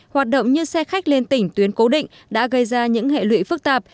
hoạt động như xe khách liên tỉnh tuyến cố định đã gây ra những hệ lụy phức tạp